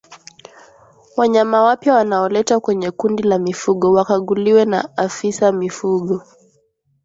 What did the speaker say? Wanyama wapya wanaoletwa kwenye kundi la mifugo wakaguliwe na afisa mifugo